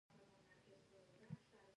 ته مرد اوسه! نامردان باید تر خاورو لاندي سي.